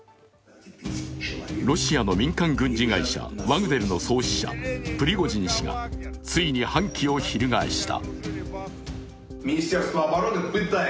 ロシアの軍人民間会社ワグネルの創設者・プリゴジン氏が、ついに反旗を翻した。